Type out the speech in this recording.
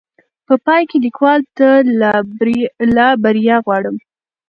په پاى کې ليکوال ته لا بريا غواړم